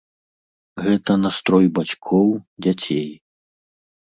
Гэта настрой бацькоў, дзяцей.